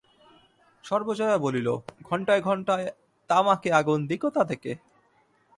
সর্বজয়া বলিল, ঘণ্টায় ঘণ্টায় তামাকে আগুন দি কোথা থেকে?